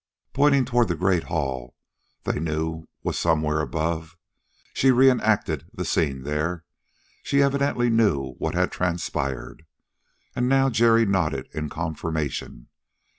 Pointing toward the great hall they knew was somewhere above, she reenacted the scene there; she evidently knew what had transpired. And now Jerry nodded in confirmation.